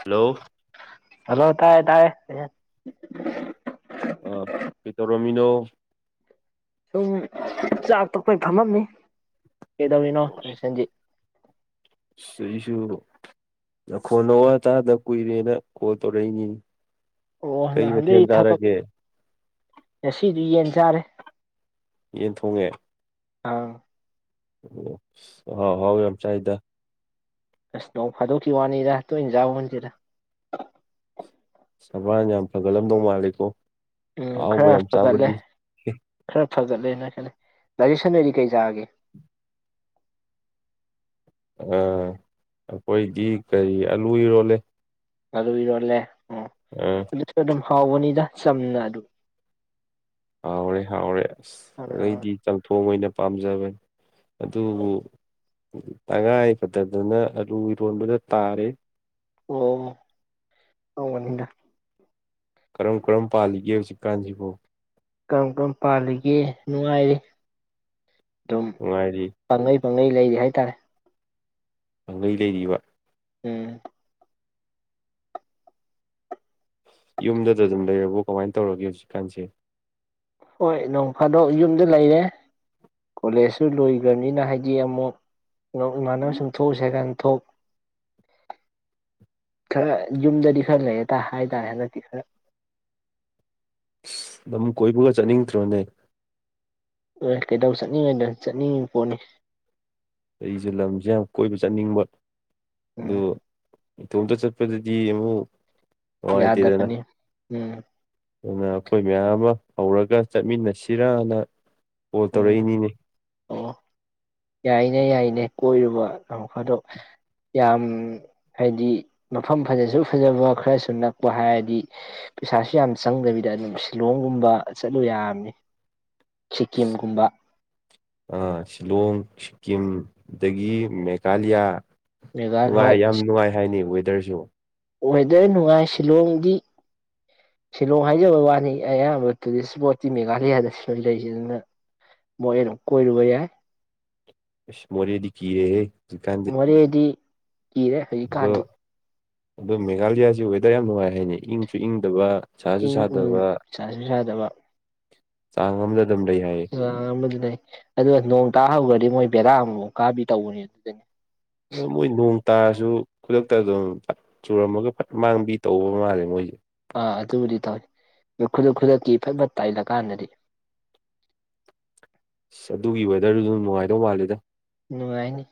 ꯍꯜꯂꫭ ꯍꯜꯂꯣ ꯇꯥꯏꯔ‌ꯦ ꯇꯥꯏꯔ‌ꯦ ꯑꯥ ꯀꯩꯊꯧꯔꯝꯃꯤꯅꫭ ꯆꯥꯥꯛ ꯇ [unintelligible] ꯊꯝꯃꯝꯅꯤ ꯀꯩꯗꯧꯔꯤꯅꯣꯁꯟꯖꯤꯠ [unintelligible] ꯁꯤꯁꯨ ꯅꯈꯣꯟ ꯅꯋꯥꯇꯥꯗ ꯀꯨꯏꯔꯦꯅ ꯀꯣꯜ ꯇꯧꯔꯛꯏꯅꯤ ꯑꯣ ꯅꯍꯥꯟꯗꯏ ꯊꯕꯛ ꯉꯁꯤꯗꯤ ꯌꯦꯟ ꯆꯥꯔꯦ ꯌꯦꯟ ꯊꯣꯡꯉꯦ ꯑꯥ ꯑꯍꯥꯎ ꯑꯍꯥꯎ ꯌꯥꯝ ꯆꯥꯏꯗ ꯑꯁ ꯅꯧ ꯐꯥꯗꯣꯛꯈꯤꯕ ꯋꯥꯅꯤꯗ ꯇꯣꯏꯅ ꯆꯥꯕ ꯅꯠꯇ‌ꯦꯗ ꯁꯕꯥꯥꯟ ꯌꯥꯝ ꯐꯒꯠꯂꯝꯗꯧ ꯃꯥꯂꯦꯀꯣ ꯎꯝ ꯈꯔ ꯐꯒꯠꯂꯦ ꯈꯔ ꯐꯒꯠꯂꯦꯅ ꯈꯜꯂꯦ ꯗꯥ ꯖꯦꯛꯁꯟꯗꯒꯤ ꯀꯩꯆꯥꯔꯒꯦ ꯑꯥ ꯑꯩꯈꯣꯏꯗꯤ ꯀꯔꯤ ꯑꯂꯨ ꯌꫭꯜꯂꯦ ꯑꯗ ꯑꯣꯏꯤꯔꯂꯦ ꯎꯝ ꯍꯥꯎꯕꯅꯤꯗ ꯆꯝꯅ ꯑꯗꯨ ꯍꯥꯎꯔꯦ ꯍꯥꯎꯔꯦ ꯑꯁ ꯑꯣ ꯑꯩꯗꯤ ꯆꯝꯊꯣꯡ ꯑꯣꯏꯅ ꯄꯥꯝꯖꯕꯅꯤ ꯑꯗꯨꯕꯨ ꯇꯉꯥꯏ ꯐꯗꯗꯅ ꯑꯂꯨ ꯏꯔꯣꯟꯕꯗ ꯇꯥꯔꯦ ꯑꯣ ꯇꯧꯕꯅꯤꯗ ꯀꯔꯝ ꯀꯔꯝ ꯄꯥꯜꯂꯤꯒꯦ ꯍꯧꯖꯤꯛꯀꯥꯟꯖꯤꯕꫭ ꯀꯔꯝ ꯀꯔꯝ ꯄꯥꯜꯂꯤꯒꯦ ꯅꯨꯡꯉꯥꯏꯔꯤ ꯑꯗꯨꯝ ꯅꯨꯡꯉꯥꯏꯔꯤ ꯄꯪꯂꯩ ꯄꯪꯂꯩ ꯂꯩꯔꯤ ꯍꯥꯏꯇꯥꯔꯦ ꯄꯪꯂꯩ ꯂꯩꯔꯤꯕ ꯎꯝ ꯌꯨꯝꯗꯗ ꯑꯗꯨꯝ ꯂꯩꯔꯕꯣ ꯀꯃꯥꯏ ꯇꯧꯔꯒꯦ ꯍꯧꯖꯤꯛꯀꯥꯟꯁꯦ ꯍꯣꯏ ꯅꯣꯡ ꯐꯥꯗꯣꯛ ꯌꯨꯝꯗ ꯂꯩꯔꯦ ꯀꯣꯂꯦꯖꯁꯨ ꯂꯣꯏꯒꯔꯅꯤꯅ ꯍꯥꯏꯗꯤ ꯑꯃꯨꯛ ꯏꯃꯥꯟꯅ ꯁꯤꯡꯊꯣꯛꯎꯁꯦꯀꯥꯏ ꯊꯣꯛ [unintelligible] ꯈꯔ ꯌꯨꯝꯗꯗꯤ ꯈꯔ ꯂꯩꯔꯦꯇꯥꯦ ꯍꯥꯏꯇꯥꯔꯦ ꯍꯟꯗꯛꯇꯤ ꯈꯔ [unintelligible] [inaudible] ꯑꯗꯨꯝ ꯀꯣꯏꯕꯒ ꯆꯠꯅꯤꯡꯗ꯭ꯔꯣꯅꯦ ꯍꯣꯏ ꯀꯩꯗꯧ ꯆꯠꯅꯤꯡꯉꯥꯏꯗ ꯆꯠꯅꯤꯡꯉꯤꯕ ꯄꯣꯠꯅꯤ ꯑꯩꯖꯨ ꯂꯝꯖꯦ ꯌꯥꯝ ꯀꯣꯏꯕ ꯆꯠꯅꯤꯡꯕ ꯑꯗꯨ ꯎꯝ ꯏꯇꯣꯝꯇ ꯆꯠꯄꯗꯨꯗꯤ ꯌꯦꯡꯉꯨ ꯌꯥꯗꯕꯅꯦ ꯎꯝ ꯑꯗꯨꯅꯦ ꯑꯩꯈꯣꯏꯒꯤ ꯌꯥꯝꯃ ꯍꯧꯔꯒ ꯆꯠꯃꯤꯟꯅꯁꯤꯔꯅ ꯀꯣꯜ ꯎꯝ ꯇꯧꯔꯛꯏꯅꯤꯅꯦ ꯑꯣ ꯌꯥꯏꯅꯦ ꯌꯥꯏꯅꯦ ꯀꯣꯏꯌꯨꯕ ꯑꯧ ꯑꯗꯣ ꯌꯥꯝ ꯍꯥꯏꯗꯤ ꯃꯐꯝ ꯐꯖꯁꯨ ꯐꯖꯕ ꯈꯔꯁꯨ ꯅꯛꯄ ꯍꯥꯏꯔꯗꯤ ꯄꯩꯁꯥꯁꯨ ꯌꯥꯝ ꯆꯪꯗꯕꯤꯗ ꯑꯗꯨꯝ ꯁꯤꯂꯣꯡꯒꯨꯝꯕ ꯆꯠꯂꯨ ꯌꯥꯕꯅꯦ ꯁꯤꯠ ꯑ ꯁꯤꯂꯣꯡ ꯁꯤꯀꯤꯝꯗꯒꯤ ꯃꯦꯒꯥꯂꯤꯌꯥ ꯃꯦꯘꯥꯂ ꯅꯨꯡꯉꯥꯏ ꯍꯣꯏ ꯌꯥꯝ ꯅꯨꯡꯉꯥꯏ ꯍꯥꯏꯅꯦ ꯋꯦ ꯀꯩꯁꯤꯕꫭ ꯋꯦꯗꯔ ꯅꯨꯡꯉꯥꯏ ꯁꯤꯂꯣꯡꯗꯤ ꯁꯤꯂꯣꯡ ꯍꯥꯏꯖꯕ ꯋꯥꯅꯤ ꯑꯌꯥꯝꯕ ꯇꯨꯔꯤꯁ ꯏꯁꯄꯣꯠꯇꯤ ꯃꯦꯘꯥꯂꯤꯌꯥꯗ ꯁꯤꯜ ꯂꯩꯁꯤꯗꯨꯅ ꯃꯣꯏ ꯀꯣꯏꯔꯨꯕ ꯌꯥꯏ ꯏꯁ ꯃꯣꯔꯦꯗꯤ ꯀꯤꯔ‌ꯦꯍ‌ꯦ ꯍꯧꯙꯤꯛꯀꯥꯟꯗꯤ ꯃꯣꯔꯦꯗꯤ ꯀꯤꯔꯦ ꯍꯧꯖꯤꯛꯀꯥꯟꯗꯤ ꯑꯗꫭ ꯃꯦꯒꯥꯥꯂꯤꯌꯥꯁꯨ ꯋꯦꯗꯔ ꯌꯥꯝ ꯅꯨꯡꯉꯥꯏ ꯍꯥꯏꯅꯦ ꯏꯪꯁꯨ ꯏꯪꯗꯕ ꯁꯥꯁꯨ ꯁꯥꯗꯕ ꯆꯪꯕꯔ ꯆꯥꯡꯃꯗ ꯖꯥꯃꯗꯤ ꯂꯩ ꯑꯗꯨ ꯅꯣꯡ ꯇꯥꯍꯩꯈꯒ꯭ꯔꯗꯤ ꯃꯣꯏ ꯕꯦꯔꯥ ꯑꯃꯨ ꯃꯨꯛ ꯀꯥꯕꯤ ꯇꯧꯕꯅꯦ ꯑꯗꯨꯗꯅꯦ ꯑꯗꫭ ꯃꯣꯏ ꯅꯣꯡ ꯇꯥꯔꯁꯨ ꯈꯨꯗꯛꯇ ꯑꯗꯨꯝ ꯐꯠ ꯆꯨꯔꯝꯃꯒ ꯐꯠ ꯃꯥꯡꯕꯤ ꯇꯧꯕ ꯃꯥꯜꯂꯦ ꯃꯣꯏꯉꯤ ꯑ ꯑꯗꯨꯕꯨꯗꯤ ꯇꯥꯏ ꯑꯗꯨ ꯈꯨꯗꯛ ꯈꯨꯗꯛꯀꯤ ꯊꯕꯛ ꯇꯥꯏꯂꯀꯥꯟꯗꯗꯤ ꯑꯁ ꯑꯗꯨꯒꯤ ꯋꯦꯗꯔꯗꯨꯖꯨ ꯅꯨꯡꯉꯥꯏꯗꯧ ꯃꯥꯜꯂꯤꯗ ꯅꯨꯡꯉꯥꯏꯅꯤ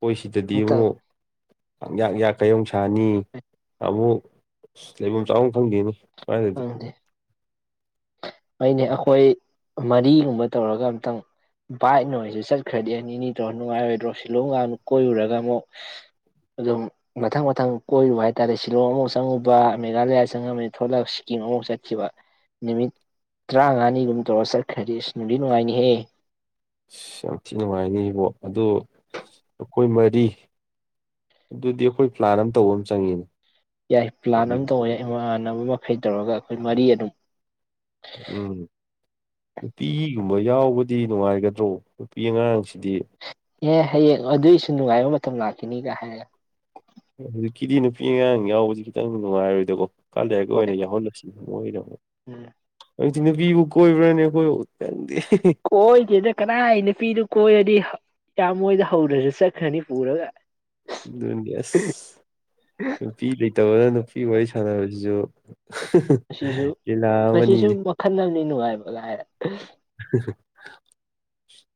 ꯑꯩꯈꯣꯏ ꯁꯤꯗꯗꯤ ꯑꯝꯇꯪ ꯌꯦꯡꯉꯨ ꯄꯪꯌꯥꯛ ꯌꯥꯛꯈꯩ ꯑꯃꯨꯛꯁꯅꯤ ꯑꯃꯨꯛ ꯑꯁ ꯂꯩꯕꯝ ꯆꯥꯕꯝ ꯈꯪꯗꯦꯅꯦ ꯈꯪꯗꯦ [unintelligible] [inaudible] ꯑꯩꯅꯦ ꯑꯩꯈꯣꯏ ꯃꯔꯤꯒꯨꯝꯕ ꯇꯧꯔꯒ ꯑꯝꯇꯪ ꯕꯥꯏꯛ ꯅꯣꯏꯁꯨ ꯆꯠꯈ꯭ꯔꯗꯤ ꯑꯅꯤꯅꯤꯗꯣ ꯅꯨꯡꯉꯥꯏꯔꯣꯏꯗ꯭ꯔꯣ ꯁꯤꯂꯣꯡꯒ ꯀꯣꯏꯔꯨꯔꯒ ꯑꯃꯨꯛ ꯑꯗꯨꯝ ꯃꯊꯪ ꯃꯊꯪ ꯀꯣꯏꯔꯨꯕ ꯍꯥꯏꯇꯥꯔꯦ ꯁꯤꯂꯣꯡ ꯑꯃꯨꯛ ꯆꯪꯉꯨꯕ ꯃꯦꯒꯥꯥꯂꯤꯌꯥ ꯆꯪꯉꯝꯃꯤ ꯊꯣꯛꯂꯛ ꯌꯦꯡꯉ ꯑꯃꯨꯛ ꯆꯠꯈꯤꯕ ꯅꯨꯃꯤꯠ ꯇꯔꯥꯉꯥꯅꯤꯒꯨꯝꯕ ꯇꯧꯔ ꯆꯠꯈ꯭ꯔꯗꯤ ꯑꯁ ꯅꯨꯡꯗꯤ ꯅꯨꯡꯉꯥꯏꯅꯤꯍꯦ ꯑꯁ ꯌꯥꯝ ꯊꯤ ꯅꯨꯡꯉꯥꯏꯅꯤ ꯏꯕꯣ ꯑꯗꯨ ꯑꯩꯈꯣꯏ ꯃꯔꯤ ꯑꯗꯨꯗꯤ ꯑꯩꯈꯣꯏ ꯄ꯭ꯂꯥꯟ ꯑꯝ ꯇꯧꯕ ꯑꯝ ꯆꯪꯉꯤꯅꯦ ꯌꯥꯏ ꯄ꯭ꯂꯥꯟ ꯍꯧꯖꯤꯛ ꯑꯃ ꯇꯧꯕ ꯌꯥꯏ ꯏꯃꯥꯟꯅꯕ ꯃꯈꯩ ꯇꯧꯔꯒ ꯑꯩꯈꯣꯏ ꯃꯔꯤ ꯑꯗꯨꯝ ꯎꯝ ꯅꯨꯄꯤꯒꯨꯝꯕ ꯌꯥꯎꯕꯗꯤ ꯅꯨꯡꯉꯥꯏꯒꯗ꯭ꯔꯣ ꯅꯨꯄꯤ ꯑꯉꯥꯡꯁꯤꯗꯤ ꯑꯦ ꯍꯌꯦꯡ ꯑꯗꯨꯏꯁꯨ ꯅꯨꯡꯉꯥꯏꯕ ꯃꯇꯝ ꯂꯥꯛꯈꯤꯅꯤꯒ ꯍꯥꯏꯔ ꯍꯧꯖꯤꯛꯀꯤꯗꯤ ꯅꯨꯄꯤ ꯑꯉꯥꯡ ꯌꯥꯎꯕꯁꯤ ꯈꯤꯇꯪ ꯅꯨꯡꯉꯥꯏꯔꯣꯏꯗꯀꯣ ꯀꯥꯟ ꯂꯩꯛ ꯍꯣꯏ ꯑꯣꯏꯅ ꯌꯥꯎꯍꯜꯂꯁꯤ ꯃ ꯑꯣꯏꯅ ꯎꯝ ꯍꯧꯛꯇꯤ ꯅꯨꯄꯤꯕꯨ ꯀꯣꯏꯕ꯭ꯔꯅꯤ ꯑꯩꯈꯣꯏ ꯀꯣꯏꯗꯦꯗ ꯀꯅꯥꯅ ꯄꯤꯅꯣ ꯀꯣꯏꯔꯗꯤ ꯌꯥꯝ ꯃꯣꯏꯗ ꯍꯧꯔꯁꯨ ꯆꯠꯈ꯭ꯔꯅꯤ ꯄꯨꯔꯒ ꯑꯗꯨꯅꯦ ꯑꯁ ꯅꯨꯄꯤ ꯂꯩꯇꯕ ꯅꯨꯄꯤ ꯋꯥꯔꯤ ꯁꯥꯟꯅꯕꯖꯤꯖꯨ ꯑꯁꯤꯁꯨ ꯃꯁꯤꯁꯨ ꯑꯃꯅꯤꯅꯦ ꯃꯈꯜ ꯑꯃꯅꯤ ꯅꯨꯡꯉꯥꯏꯕ ꯂꯥꯏꯔ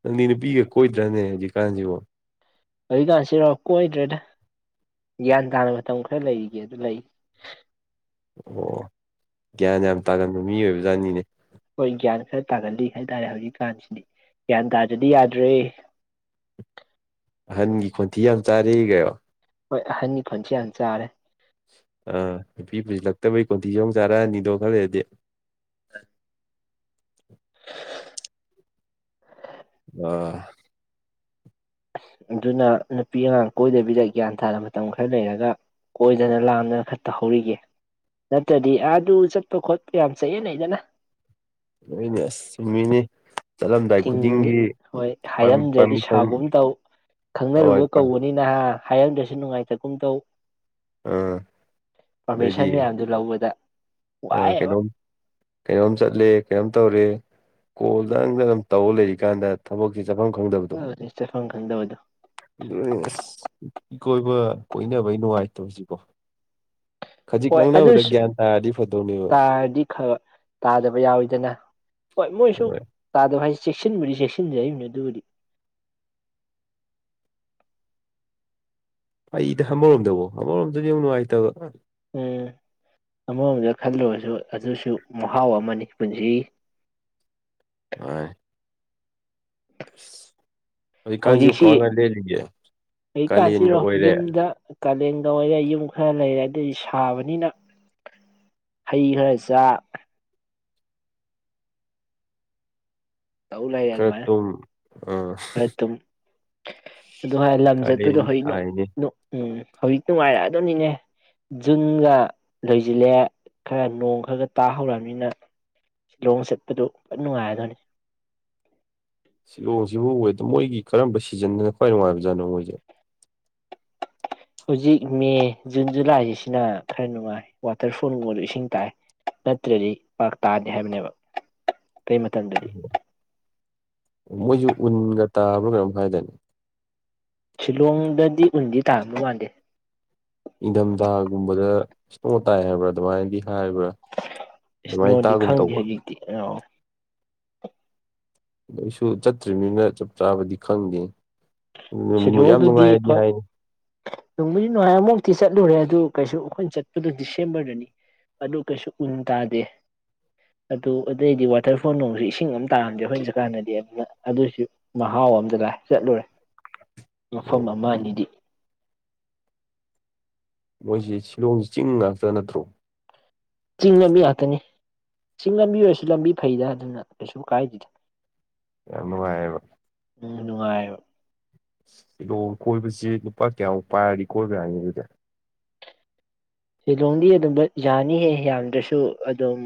ꯅꯗꯤꯅꯤ ꯄꯤꯒꯦ ꯀꯣꯏꯗ꯭ꯔꯥꯅꯦ ꯍꯧꯖꯤ ꯀꯥꯟꯁꯤꯕ ꯍꯧꯖꯤꯛꯀꯥꯟꯁꯤꯔꯥꯎ ꯀꯣꯏꯗ꯭ꯔꯦꯗ ꯒ꯭ꯌꯥꯟ ꯇꯥꯅ ꯃꯇꯝ ꯈꯔ ꯂꯩꯔꯤꯒꯦ ꯑꯗꯨ ꯂꯩ ꯑꯣ ꯒ꯭ꯌꯥꯟ ꯌꯥꯝ ꯇꯥꯒꯟꯕ ꯃꯤ ꯑꯣꯏꯕ ꯖꯥꯠꯅꯤꯅꯦ ꯍꯣꯏ ꯒ꯭ꯌꯥꯟ ꯈꯔ ꯇꯥꯒꯜꯂꯤ ꯍꯥꯏꯇꯥꯔꯦ ꯍꯧꯖꯤꯛꯀꯥꯟꯁꯤꯗꯤ ꯒ꯭ꯌꯥꯟ ꯇꯥꯗ꯭ꯔꯗꯤ ꯌꯥꯗ꯭ꯔꯦ ꯑꯍꯟꯒꯤ ꯈꯣꯟꯊꯤ ꯌꯥꯝ ꯆꯥꯔꯛ ꯀꯣ ꯍꯣꯏ ꯑꯍꯟꯒꯤ ꯈꫭꯟꯊꯤ ꯌꯥꯝ ꯆꯥꯔꯦ ꯑꯥ ꯅꯨꯄꯤ ꯄꯨꯁꯤꯜꯂꯛꯇꯕꯩ ꯀꯣꯟꯊꯤ ꯆꯣꯡ ꯆꯥꯔꯛꯑꯅꯤꯗꯣ ꯈꯜꯂꯗꯤ [inaudible] [unintelligible] ꯑ ꯑꯗꯨꯅ ꯅꯨꯄꯤ ꯑꯉꯥꯡ ꯀꯣꯏꯗꯕꯤꯗ ꯒ꯭ꯌꯥꯟ ꯇꯥꯅ ꯃꯇꯝ ꯈꯔ ꯂꯩꯔꯒ ꯀꯣꯏꯗꯅ ꯂꯥꯟꯗꯅ ꯈꯠꯇ ꯍꯧꯧꯔꯤꯒꯦ ꯅꯠꯇ꯭ꯔꯗꯤ ꯑꯥ ꯑꯗꯨ ꯆꯠꯄ ꯈꯣꯠꯄ ꯌꯥꯝ ꯆꯠꯑꯦꯅ ꯑꯩꯗꯅ ꯂꯅꯦ ꯑꯁ ꯆꯨꯝꯃꯤꯅꯦ ꯆꯠꯂꯝꯗꯥꯏ ꯊꯤꯡꯅꯤ ꯈꯨꯗꯤꯡꯒꯤ ꯍꯣꯏ ꯄꯥꯔꯃꯤ ꯍꯥꯏꯔꯝꯗ꯭ꯔꯗꯤ ꯄꯥꯔꯃꯤꯁꯟ ꯁꯥꯒꯨꯝ ꯇꯧ ꯍꯣꯏ ꯈꯪꯅꯔꯨꯕ ꯄꯥ ꯀꯧꯕꯅꯤ ꯅꯍꯥ ꯍꯥꯏꯔꯝꯗ꯭ꯔꯁꯨ ꯅꯨꯡꯉꯥꯏꯇꯒꯨꯝ ꯇꯧ ꯑꯥ ꯄꯥꯔꯃꯤꯁꯟ ꯃꯌꯥꯝꯗꯨ ꯂꯧꯕꯗ ꯑ ꯋꯥꯏꯑꯦꯕ ꯀꯩꯅꯣꯝ ꯀꯩꯅꯣꯝ ꯆꯠꯂꯦ ꯀꯩꯅꯣꯝ ꯇꯧꯔꯦ ꯀꯣꯜꯗꯪꯗ ꯑꯗꯨ ꯇꯧꯔ ꯂꯩꯔꯤꯀꯥꯟꯗ ꯊꯕꯛꯁꯤ ꯆꯥꯐꯝ ꯈꯪꯗꯕꯗꯣ ꯆꯠꯐꯝ ꯈꯪꯗꯕꯗꯣ ꯑꯗꯨ ꯑꯁ ꯏꯀꯣꯏꯕ ꯀꯣꯏꯅꯕꯒꯤ ꯅꯨꯡꯉꯥꯏꯇꯧꯁꯤꯀꯣ ꯈꯖꯤꯛ ꯍꯣꯏ ꯅꯥꯡꯅꯕꯗ ꯑꯗꯨꯁꯨ ꯒ꯭ꯌꯥꯟ ꯇꯥꯔꯗꯤ ꯐꯗꯧꯅꯦꯕ ꯇꯥꯔꯗꯤ ꯇꯥꯗꯕ ꯌꯥꯎꯋꯤꯗꯅ ꯍꯣꯏ ꯃꯣꯏꯁꯨ ꯇꯥꯗꯕ ꯍꯥꯏꯩ ꯆꯦꯛꯁꯤꯟꯕꯗꯤ ꯆꯦꯛꯁꯤꯟꯖꯩꯕꯅꯤ ꯑꯗꯨꯕꯨꯗꯤ ꯑꯩꯗ ꯑꯃꯔꯣꯝꯗꯕꯨꯣ ꯑꯃꯔꯣꯝꯗꯅ ꯌꯥꯝ ꯅꯨꯡꯉꯥꯏꯇꯕ ꯎꯝ ꯑꯃꯔꯣꯝꯗ ꯈꯜꯂꯕꯁꯨ ꯑꯗꯨꯁꯨ ꯃꯍꯥꯎ ꯑꯃꯅꯤ ꯄꯨꯟꯁꯤ ꯑꯥꯏ ꯈꯁ ꯑꯗꯨꯩ ꯀꯥꯟꯖꯨ ꯍꯧꯖꯤꯛꯁꯤ ꯀꯒ ꯂꯦꯜꯂꯤꯒꯦ ꯀꯥꯂꯦꯟꯒ ꯑꯣꯏꯔꯦ ꯀꯥꯂꯦꯟꯗ ꯑꯣꯏꯔꯦ ꯌꯨꯝ ꯈꯔ ꯂꯩꯔꯦ ꯑꯗꯨꯗꯤ ꯁꯥꯕꯅꯤꯅ ꯍꯩ ꯈꯔ ꯆꯥꯛ ꯇꯧ ꯂꯥꯏ ꯈꯔ ꯑꯗꯨꯃꯥꯏꯅ ꯇꯨꯝ ꯑꯥ ꯑꯗꯨꯨꯝ ꯑꯗꯨ ꯍꯥꯏꯔ ꯂꯝ ꯀꯥꯂꯦꯟ ꯆꯠꯄꯗꯣ ꯍꯩꯅꯣ ꯁꯥꯏꯅꯦ ꯅꯣ ꯎꯝ ꯍꯧꯖꯤꯛꯇ ꯅꯨꯡꯉꯥꯏꯔꯛꯑꯗꯣꯅꯤꯅꯦ ꯖꯨꯟꯒ ꯂꯣꯏꯁꯤꯜꯂꯦ ꯈꯔ ꯅꯣꯡ ꯈꯔ ꯈ ꯇꯥꯍꯧꯔꯅꯤꯅ ꯁꯤꯂꯣꯡ ꯆꯠꯄꯗꯨ ꯐꯠ ꯅꯨꯡꯉꯥꯏꯔꯗꯣꯏꯅꯤ ꯁꯤꯂꯣꯡꯁꯤꯕꯨ ꯑꯣꯏꯗ ꯃꯣꯏꯒꯤ ꯀꯔꯝꯕ ꯁꯤꯖꯟꯅꯗꯅ ꯈ꯭ꯋꯥꯏ ꯅꯨꯡꯉꯥꯏꯕꯖꯥꯠꯅꯣ ꯃꯣꯏꯁꯦ ꯍꯧꯖꯤꯛ ꯃꯦ ꯖꯨꯟ ꯖꯨꯂꯥꯏꯁꯤꯁꯤꯅ ꯈꯔ ꯅꯨꯡꯉꯥꯏ ꯋꯥꯇꯔꯐꯣꯜꯒꯨꯝꯕꯗ ꯏꯁꯤꯡ ꯇꯥꯏ ꯅꯠꯇ꯭ꯔꯗꯤ ꯄꯥꯛꯇꯥꯥꯗꯦ ꯍꯥꯏꯕꯅꯦꯕ [inaudible] ꯀꯩ ꯃꯥꯇꯝꯗꯗꯤ ꯃꯣꯏꯁꯨ ꯎꯟꯒ ꯇꯥꯕ꯭ꯔꯥ ꯀꯩꯅꯣꯝ ꯍꯥꯏꯗꯥꯏꯅꯦ ꯁꯤꯂꯣꯡꯗꯗꯤ ꯎꯟꯗꯤ ꯇꯥꯕ ꯃꯥꯟꯗꯦ ꯏꯪꯊꯝꯊꯥꯒꯨꯝꯕꯗ ꯏꯁꯅꯣ ꯇꯥꯏ ꯍꯥꯏꯕ꯭ꯔꯥ ꯑꯗꯨꯃꯥꯏꯅꯗꯤ ꯍꯥꯏꯕ꯭ꯔꯥ ꯑꯗꯨꯃꯥꯏꯅ ꯏꯁꯅꯣꯗꯤ ꯇꯥꯒꯨꯝ ꯈꯪꯗꯦ ꯇꯧꯕ ꯍꯧꯖꯤꯛꯇꯤ [inaudible] ꯑꯩꯁꯨ ꯆꯠꯇ꯭ꯔꯤꯝꯅꯤꯅ ꯆꯞ ꯆꯥꯕꯗꯤ ꯈꯪꯗꯦ ꯎꯝ ꯌꯥꯝ ꯅꯨꯡꯉꯥꯏꯗꯤ ꯍꯥꯏꯌꯦ ꯅꯨꯡꯃꯨꯘꯤ ꯅꯨꯡꯉꯥꯏꯑꯃꯨꯛꯇꯤ ꯆꯠꯂꯨꯔꯦ ꯑꯗꯨ ꯀꯩꯁꯨ ꯑꯩꯈꯣꯏꯅ ꯆꯠꯄꯗꯨ ꯗꯤꯁꯦꯝꯕꯔꯗꯅꯤ ꯑꯗꯨ ꯀꯩꯁꯨ ꯎꯟ ꯇꯥꯗꯦ ꯑꯗꯨ ꯑꯗꯩꯗꯤ ꯋꯥꯇꯔꯐꯣꯜ ꯅꯣꯡꯁꯨ ꯏꯁꯤꯡ ꯑꯃ ꯇꯥꯔꯝꯗꯦ ꯑꯩꯈꯣꯏꯅ ꯆꯁꯨꯠꯀꯥꯟꯅꯗꯤ ꯑꯗꯨꯅ ꯑꯗꯨꯑꯣꯏꯁꯨ ꯃꯍꯥꯎ ꯥꯎ ꯑꯝꯗ ꯂꯥꯛꯑ ꯆꯠꯂꯨꯔꯦ ꯃꯐꯝ ꯑꯃ ꯑꯅꯤꯗꯤ ꯃꯣꯏꯁꯤ ꯁꯤꯂꯣꯡꯁꯤ ꯆꯤꯡ ꯉꯥꯛꯇ ꯅꯠꯇ꯭ꯔꯣ ꯆꯤꯡꯅꯕꯕꯤ ꯉꯥꯛꯇꯅꯤ ꯆꯤꯡ ꯂꯝꯕꯤ ꯑꯣꯏꯔꯁꯨ ꯂꯝꯕꯤ ꯐꯩꯗ ꯑꯗꯨꯅ ꯀꯩꯁꯨ ꯀꯥꯏꯗꯦꯗ ꯌꯥꯝ ꯅꯨꯡꯉꯥꯏꯌꯦꯕ ꯎꯝ ꯅꯨꯡꯉꯥꯏꯌꯞ ꯁꯤꯂꯣ ꯀꯣꯏꯕꯁꯤ ꯅꯨꯄꯥ ꯀꯌꯥꯃꯨꯛ ꯄꯥꯏꯔꯗꯤ ꯀꯣꯏꯕ ꯌꯥꯅꯤ ꯑꯗꯨꯗꯤ ꯁꯤꯂꯣꯡꯗꯤ ꯑꯗꯨꯝꯕꯠ ꯌꯥꯅꯤꯍꯦ ꯌꯥꯝꯗ꯭ꯔꯁꯨ ꯑꯗꯨꯝ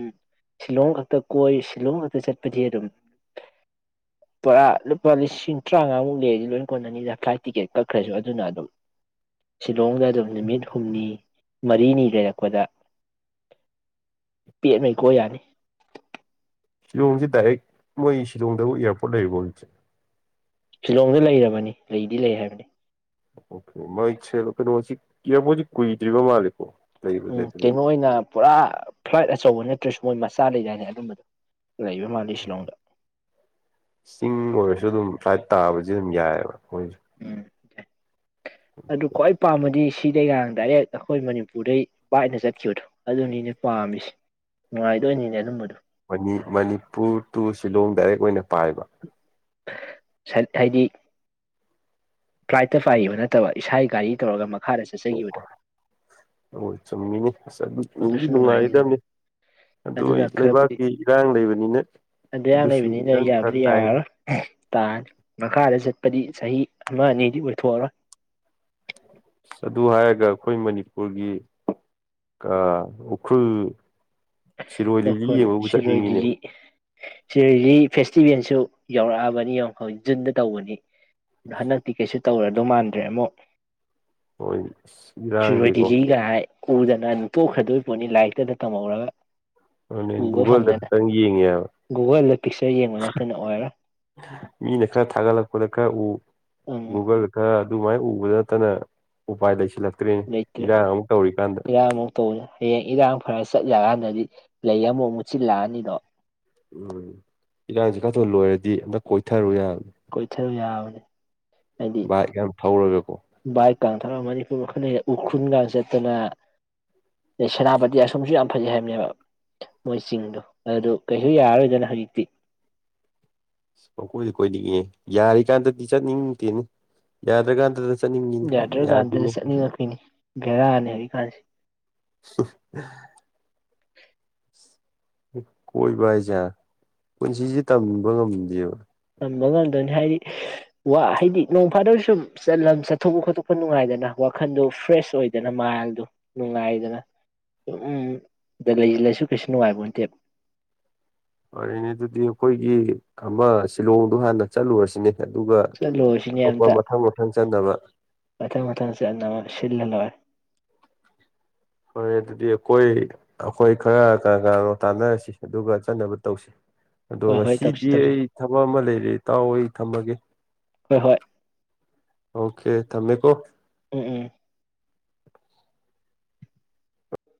ꯁꯤꯂꯣꯡ ꯈꯛꯇ ꯀꯣꯏ ꯁꯤꯂꯣꯡ ꯈꯛꯇ ꯆꯠꯄꯗꯤ ꯑꯗꯨꯝ ꯄꯨꯔꯥ ꯂꯨꯄꯥ ꯂꯤꯁꯤꯡ ꯇꯔꯥꯃꯉꯥꯃꯨꯛ ꯂꯩꯔꯗꯤ ꯂꯣꯏ ꯀꯣꯟ ꯅꯅꯤꯗ ꯐ꯭ꯂꯥꯏꯠ ꯇꯤꯛꯀꯦꯠ ꯀꯛꯈ꯭ꯔꯁꯨ ꯑꯗꯨꯅ ꯑꯗꯨꯝ ꯁꯤꯂꯣꯡꯗ ꯑꯗꯨꯝ ꯅꯨꯃꯤꯠ ꯍꯨꯝꯅꯤ ꯃꯔꯤꯅꯤ ꯂꯩꯔꯛꯄꯗ ꯄꯦꯠꯃꯩ ꯀꯣꯏ ꯌꯥꯅꯤ ꯁꯤꯂꯣꯡꯁꯤ ꯗꯥꯏꯔꯦꯛ ꯃꯣꯏ ꯁꯤꯂꯣꯡꯗꯕꯨ ꯏꯌꯥꯔꯄꯣꯔꯠ ꯂꯩꯔꯤꯕꯣ ꯍꯧꯖꯤꯁꯦ ꯁꯤꯂꯣꯡꯗ ꯂꯩꯔꯕꯅꯤ ꯂꯩꯗꯤ ꯂꯩ ꯍꯥꯏꯕꯅꯤ ꯑꯣ ꯃꯁꯦꯂꯀꯩꯅꯣ ꯏꯌꯔꯄꯣꯠꯁꯤ ꯀꯨꯏꯗꯔꯤꯕ ꯃꯥꯂꯤꯀꯣ ꯎꯝ ꯀꯩꯅꯣ ꯑꯣꯏꯅ ꯄꯨꯔꯥ ꯐ꯭ꯂꯥꯏꯠ ꯑꯆꯧꯕ ꯅꯠꯇ꯭ꯔꯁꯨ ꯃꯣꯏ ꯃꯆꯥ ꯂꯩꯗꯥꯅꯦ ꯑꯗꯨꯝꯕꯗꯣ ꯂꯩꯕ ꯃꯥꯜꯂꯤ ꯁꯤꯂꯣꯡꯗ ꯆꯤꯡ ꯑꯣꯏꯔꯁꯨ ꯑꯗꯨꯝ ꯐ꯭ꯂꯥꯏꯠ ꯇꯥꯕꯁꯤ ꯑꯗꯨꯝ ꯌꯥꯏꯑꯕ ꯃꯣꯏꯁꯨ ꯎꯝ ꯑꯗꯨ ꯈ꯭ꯋꯥꯏ ꯄꯥꯝꯃꯗꯤ ꯁꯤꯗꯩꯒ ꯗꯥꯏꯔꯦꯛ ꯑꯩꯈꯣꯏ ꯃꯅꯤꯄꯨꯔꯗꯩ ꯄꯥꯏꯅ ꯆꯠꯈꯤꯕꯗꯣ ꯑꯗꯨꯅꯤꯅꯦ ꯑꯩꯅ ꯄꯥꯝꯃꯤꯁꯦ ꯅꯨꯉꯥꯏꯗꯣꯏꯅꯤꯅꯦ ꯑꯗꯨꯝꯕꯘꯣ ꯃꯅꯤꯄꯨꯔ ꯇꯨ ꯁꯤꯂꯣꯡ ꯗꯥꯏꯔꯦꯛ ꯑꯣꯏꯅ ꯄꯥꯏꯕ ꯍꯥꯏꯗꯤ ꯐ꯭ꯂꯥꯏꯠꯇ ꯄꯥꯏꯕ ꯅꯠꯇꯕ ꯏꯁꯥꯒꯤ ꯒꯥꯔꯤ ꯇꯧꯔꯒ ꯃꯥꯛ ꯑꯣ ꯑꯣꯏ ꯆꯨꯝꯃꯤꯅꯤ ꯑꯁ ꯑꯗꯨꯨꯝꯗꯤ ꯑꯗꯨꯁꯨ ꯅꯨꯡꯉꯥꯏꯅꯤꯗꯅ ꯅꯨꯡꯉꯥꯏꯗꯕꯅꯤ ꯑꯗꯨ ꯑꯗꯨꯅ ꯂꯩꯕꯥꯛꯀꯤ ꯏꯔꯥꯡ ꯂꯩꯕꯅꯤꯅ ꯑꯗꯨ ꯌꯥꯝ ꯑꯗꯨꯁꯨ ꯂꯩꯕꯅꯤꯅ ꯈꯤꯇꯪ ꯐꯔꯛ ꯌꯥꯕꯨꯗꯤ ꯇꯥꯏꯅꯤ ꯌꯥꯔꯣꯏ ꯇꯥꯅꯤ ꯃꯈꯥꯗ ꯆꯠ ꯍꯥꯏꯗꯤ ꯆꯍꯤ ꯑꯃ ꯑꯅꯤꯗꯤ ꯑꯣꯏꯊꯣꯛꯑꯔꯣꯏ ꯑꯗꯨ ꯍꯥꯏꯔꯒ ꯑꯩꯈꯣꯏ ꯃꯅꯤꯄꯨꯔꯒꯤ ꯑ ꯎꯈ꯭ꯔꯨꯜ ꯁꯤꯔꯣꯏ ꯀꯈ ꯂꯤꯂꯤ ꯌꯦꯡꯕꯕꯨ ꯁꯤꯔꯣꯏ ꯆꯠꯅꯤꯡꯉꯤꯅꯦ ꯂꯤꯂꯤ ꯁꯤꯔꯣꯏ ꯂꯤ ꯐꯦꯁꯇꯤꯚꯦꯜꯁꯨ ꯌꯧꯔꯛꯑꯕꯅꯤ ꯌꯧꯔꯛ ꯖꯨꯟꯗ ꯇꯧꯕꯅꯤ ꯑꯗꯣ ꯍꯟꯗꯛꯇꯤ ꯀꯩꯁꯨ ꯇꯧꯔꯗꯧ ꯃꯥꯟꯗ꯭ꯔꯦ ꯑꯃꯨꯛ ꯍꯣꯏ ꯑꯁ ꯏꯔꯥꯡꯁꯦꯀꯣ ꯊꯔꯣꯏꯗꯤꯂꯤꯒ ꯍꯥꯏ ꯎꯗꯅ ꯑꯗꯨꯝ ꯇꯣꯛꯈꯗꯣꯏ ꯄꯣꯠꯅꯤ ꯂꯥꯏꯔꯤꯛꯇꯗ ꯇꯝꯍꯧꯔꯒ ꯑ ꯎꯕ ꯨꯒꯜꯗ ꯐꯪꯗꯅ ꯇꯪꯒꯤ ꯒꯨꯒꯜꯗ ꯄꯤꯛꯆꯔ ꯌꯦꯡꯕ ꯅꯠꯇꯅ ꯑꯣꯏꯔꯔꯣꯏ ꯃꯤ ꯅꯥ ꯊꯒ ꯂꯄꯥ ꯎ ꯎꯝ ꯒꯨꯒꯜ ꯈꯔ ꯑꯗꯨꯃꯥꯏꯅ ꯎꯕꯗ ꯅꯠꯇꯅ ꯎꯄꯥꯏ ꯂꯩꯁꯤꯜꯂ ꯂꯩꯇ꯭ꯔꯦ ꯏꯔꯥꯡꯃꯨ ꯇꯧ ꯍꯌꯦꯡ ꯏꯔꯥꯡ ꯐꯔꯁꯤ ꯆꯠꯂꯀꯥꯟꯗꯗꯤ ꯂꯩ ꯑꯃꯨꯛ ꯃꯨꯠꯁꯤꯤꯜꯂꯛꯑꯅꯤꯗꯣ ꯎꯝ ꯏꯔꯥꯡꯁ ꯀꯥꯊꯣꯛ ꯂꯣꯏꯔꯗꯤ ꯑꯝꯇ ꯀꯣꯏꯊꯔꯨ ꯌꯥꯕ ꯀꯣꯏꯊꯔꯨ [unintelligible] ꯥꯏ ꯌꯥꯝ ꯊꯧꯔꯕꯣ ꯀꯥꯡꯊꯔꯒ ꯃꯅꯤꯄꯨꯔ ꯃꯈ ꯈꯅꯩ ꯎꯈ꯭ꯔꯨꯜꯒ ꯆꯠꯇꯅ ꯑꯗꯩ ꯁꯦꯅꯥꯄꯇꯤ ꯑꯁꯣꯝꯁꯨ ꯌꯥꯝ ꯐꯖꯩ ꯍꯥꯏꯕꯅꯦꯕ ꯃꯣꯏꯁꯤꯡꯗꯣ ꯑꯗꯨ ꯀꯩꯁꯨ ꯌꯥꯔꯔꯣꯏꯗꯅ ꯍꯧꯖꯤꯛꯇꯤ [unintelligible] ꯑꯩ ꯀꯣꯏꯗꯤ ꯀꯣꯏꯅꯤꯡꯉꯦ ꯌꯥꯔꯤꯀꯥꯟꯗꯗꯤ ꯆꯠꯅꯤꯡꯗꯦꯅꯦ ꯌꯥꯗ꯭ꯔꯀꯥꯟꯗ ꯌꯥꯗ꯭ꯔꯀꯥꯟꯗꯗꯤ ꯆꯠꯅꯤꯡꯉꯛꯀꯤꯅꯤ ꯒꯦꯔꯥꯑꯅꯤ ꯍꯧꯖꯤꯛꯀꯥꯟꯁ‌ꯦ [unintelligible] [unintelligible] ꯀꯣꯏꯕ ꯍꯥꯏꯁꯦ ꯄꯨꯟꯁꯤꯁꯦ ꯇꯝꯕ ꯉꯝꯗꯦꯕ ꯇꯝꯕ ꯉꯝꯗꯣꯏꯅꯤ ꯍꯥꯏꯗꯤ ꯋꯥ ꯍꯥꯏꯗꯤ ꯅꯣꯡ ꯐꯥꯗꯕ ꯁꯨꯝ ꯆ ꯆꯠꯊꯣꯛꯄ ꯈꯣꯠꯇꯣꯛꯄ ꯅꯨꯡꯉꯥꯏꯗꯅ ꯋꯥꯈꯟꯗꯣ ꯐ꯭ꯔꯦꯁ ꯑꯣꯏꯗꯅ ꯃꯥꯏꯜꯗꯣ ꯅꯨꯡꯉꯥꯏꯗꯅ ꯎꯝ ꯗ ꯂꯩ ꯂꯩꯁꯨ ꯀꯩꯁꯨ ꯅꯨꯡꯉꯥꯏꯕ ꯑꯣꯏꯇꯦꯕ ꯍꯦꯅꯦ ꯑꯗꯨꯗꯤ ꯑꯩꯈꯣꯏꯒꯤ ꯑꯃ ꯁꯤꯂꯣꯡꯗꯣ ꯍꯥꯟꯅ ꯆꯠꯂꯨꯔꯁꯤꯅꯦ ꯑꯗꯨꯒ ꯆꯠꯂꯨꯔꯁꯤꯅꯦ ꯑꯇꯣꯞꯄ ꯑꯝꯇ ꯃꯊꯪ ꯃꯊꯪ ꯆꯟꯗꯕ ꯃꯊꯪ ꯃꯊꯪꯁꯦ ꯌꯥꯝ ꯑꯃ ꯁꯤꯜꯂ ꯂ‌ꯣꯏꯔ‌‌ꯦ ꯐꯔ ꯑꯗꯨꯗꯤ ꯑꯩꯈꯣꯏ ꯑꯩꯈꯣꯏ ꯈꯔ ꯀ ꯀꯅꯥꯅꯣ ꯇꯥꯟꯅꯔꯁꯤ ꯑꯗꯨꯒ ꯆꯠꯅꯕ ꯇꯧꯁꯤ ꯑꯗꯣ ꯍꯣꯏ ꯍꯣꯏ ꯇꯧꯁꯤ ꯉꯁꯤꯗꯤ ꯇꯧꯁꯤ ꯑꯩ ꯊꯕꯛ ꯑꯃ ꯂꯩꯔꯦ ꯇꯥꯎ ꯑꯩ ꯊꯝꯃꯒꯦ ꯍꯣꯏ ꯍꯣꯏ ꯑꯣꯀꯦ ꯇꯃꯦ ꯀꯣ ꯎꯝ ꯎꯝ